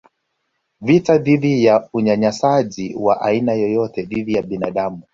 vita dhidi ya unyanyasaji wa aina yoyote dhidi ya binadamu